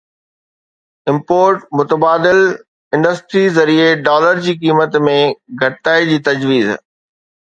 import متبادل industry ذريعي dollar جي قيمت ۾ گهٽتائي جي تجويز